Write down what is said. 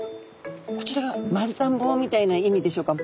こちらが丸太ん棒みたいな意味でしょうか